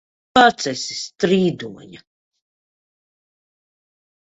Pats esi strīdoņa!